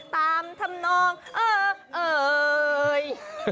ตามทำนองเอ้อเอ๋ย